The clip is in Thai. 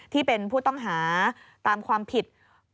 ที่เป็นผู้ต้องหาตามความผิด